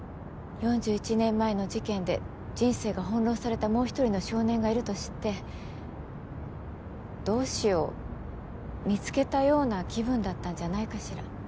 ４１年前の事件で人生が翻弄されたもう一人の少年がいると知って同志を見つけたような気分だったんじゃないかしら